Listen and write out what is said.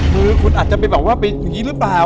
คือคุณอาจจะไปแบบว่าไปยังงี้เลยรึเปล่า